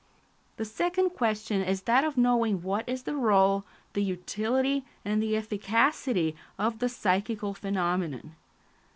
The second question is that of knowing what is the rôle, the utility, and the efficacity of the psychical phenomenon.